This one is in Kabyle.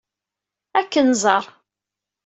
Ad ken-nẓer.